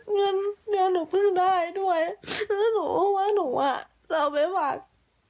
เงินเดียวหนูเพิ่งได้ด้วยแล้วหนูก็ว่าหนูอ่ะจะเอาไปบัง